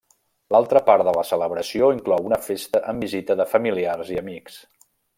L'altra part de la celebració inclou una festa amb visita de familiars i amics.